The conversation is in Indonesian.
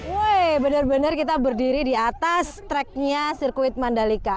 weh benar benar kita berdiri di atas tracknya sirkuit mandalika